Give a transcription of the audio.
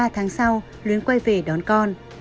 ba tháng sau luyến quay về đón con